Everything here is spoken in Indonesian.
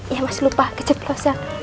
ya mas lupa keceplosan